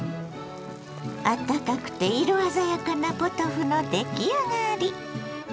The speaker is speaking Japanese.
あったかくて色鮮やかなポトフの出来上がり。